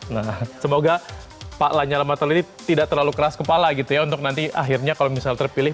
nah semoga pak lanyala mataliri tidak terlalu keras kepala gitu ya untuk nanti akhirnya kalau misal terpilih